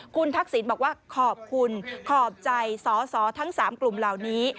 คุณทักษิณบอกว่าขอบคุณขอบใจสอสอทั้ง๓กลุ่มเหล่านี้